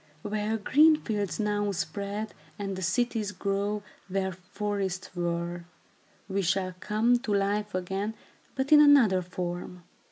Where green fields now spread, and the cities grow where forests were, we shall come to life again, but in another form.